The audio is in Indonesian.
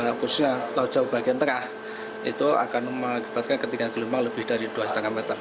khususnya laut jawa bagian tengah itu akan mengakibatkan ketinggian gelombang lebih dari dua lima meter